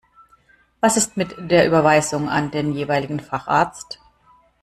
Was ist mit der Überweisung an den jeweiligen Facharzt?